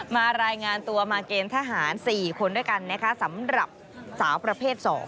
มารายงานตัวมาเกณฑ์ทหาร๔คนด้วยกันนะคะสำหรับสาวประเภท๒